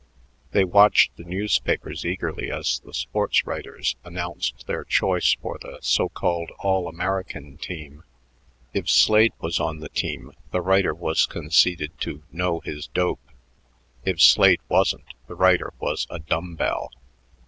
They watched the newspapers eagerly as the sport writers announced their choice for the so called All American team. If Slade was on the team, the writer was conceded to "know his dope"; if Slade wasn't, the writer was a "dumbbell."